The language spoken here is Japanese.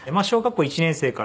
小学校１年生？